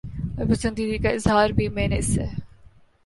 اور اپنی پسندیدگی کا اظہار بھی میں نے اس سے